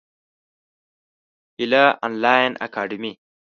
هیله انلاین اکاډمي.